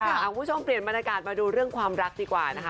คุณผู้ชมเปลี่ยนบรรยากาศมาดูเรื่องความรักดีกว่านะคะ